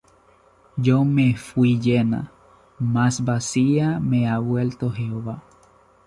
Yo me fuí llena, mas vacía me ha vuelto Jehová.